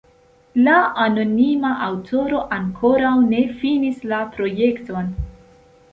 La anonima aŭtoro ankoraŭ ne finis la projekton.